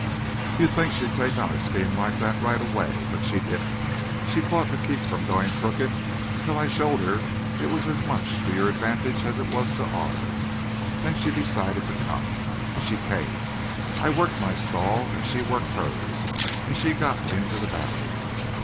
"You'd think she'd take on a scheme like that right away; but she didn't. She fought to keep from going crooked until I showed her it was as much to your advantage as it was to ours. Then she decided to come, and she came. I worked my stall and she worked hers, and she got into the valley.